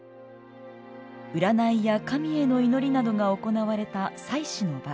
占いや神への祈りなどが行われた祭祀の場。